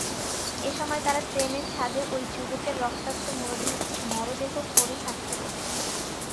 এ সময় তাঁরা ট্রেনের ছাদে ওই যুবকের রক্তাক্ত মরদেহ পড়ে থাকতে দেখেন।